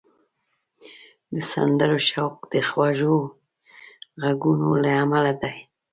د سندرو شوق د خوږو غږونو له امله دی